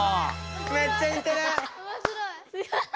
めっちゃにてる！